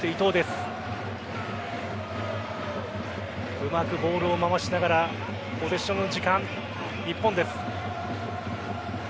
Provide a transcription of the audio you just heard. うまくボールを回しながらポゼッションの時間、日本です。